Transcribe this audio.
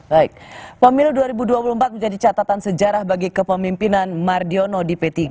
baik pemilu dua ribu dua puluh empat menjadi catatan sejarah bagi kepemimpinan mardiono di p tiga